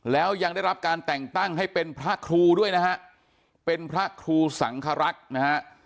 แล้วยังได้รับการแต่งตั้งให้เป็นพระครูด้วยนะฮะเป็นพระครูสังครักษ์นะฮะ